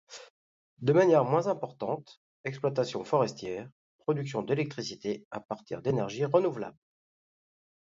De manière moins importante, exploitation forestière, production d'électricité à partir d'énergies renouvelables.